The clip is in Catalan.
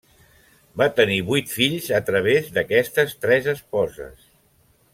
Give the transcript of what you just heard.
Va tenir vuit fills a través d'aquestes tres esposes.